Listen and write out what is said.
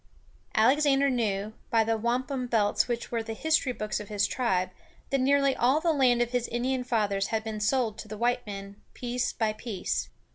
Alexander knew, by the wampum belts which were the history books of his tribe, that nearly all the land of his Indian fathers had been sold to the white men, piece by piece.